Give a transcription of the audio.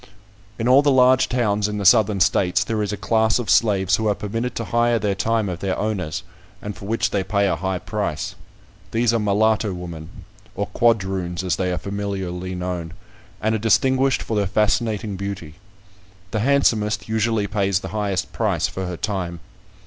In all the large towns in the Southern States, there is a class of slaves who are permitted to hire their time of their owners, and for which they pay a high price. These are mulatto women, or quadroons, as they are familiarly known, and are distinguished for their fascinating beauty. The handsomest usually pays the highest price for her time.